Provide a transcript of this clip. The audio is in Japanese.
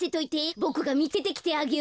ボクがみつけてきてあげるよ。